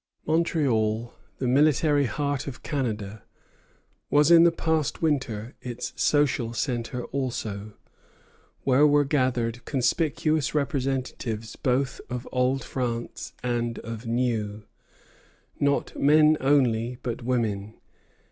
Montreal, the military heart of Canada, was in the past winter its social centre also, where were gathered conspicuous representatives both of Old France and of New; not men only, but women.